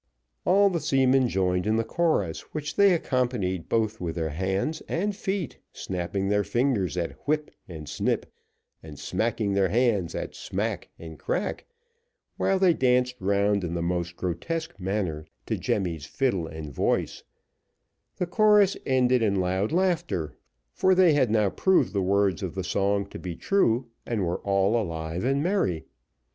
All the seamen joined in the chorus, which they accompanied both with their hands and feet, snapping their fingers at whip and snip, and smacking their hands at smack and crack, while they danced round in the most grotesque manner, to Jemmy's fiddle and voice; the chorus ended in loud laughter, for they had now proved the words of the song to be true, and were all alive and merry.